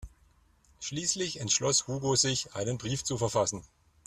Schließlich entschloss Hugo sich, einen Brief zu verfassen.